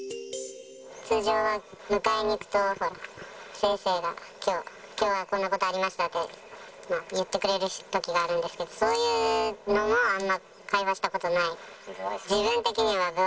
通常は迎えに行くと、先生が、きょうはこんなことありましたって言ってくれるときがあるんですけど、そういうのもあんま、会話したことない。